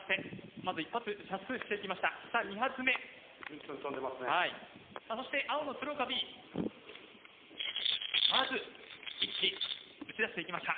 まず１機打ち出していきました。